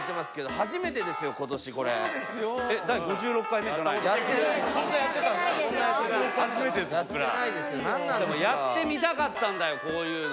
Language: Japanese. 初めてです僕ら。やってみたかったんだよこういうの。